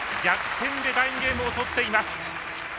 逆転で第２ゲームを取っています。